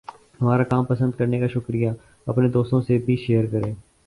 ہمارا کام پسند کرنے کا شکریہ! اپنے دوستوں سے بھی شیئر کریں۔